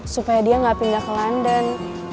supaya dia nggak pindah ke london